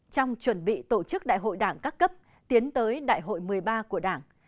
trong chuẩn bị tổ chức đại hội đảng các cấp tiến tới đại hội một mươi ba của đảng